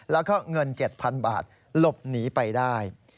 แล้วก็เงิน๗๐๐๐บาทหลบหนีไปได้